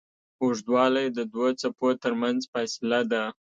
اوږدوالی د دوو څپو تر منځ فاصله ده.